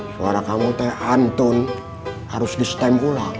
suara kamu teh antun harus di stamp ulang